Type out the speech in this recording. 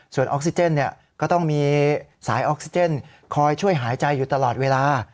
ส่วนออกซิเจนก็ต้องมีสายออกซิเจนคอยช่วยหายใจอยู่ตลอดเวลา